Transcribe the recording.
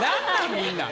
みんな。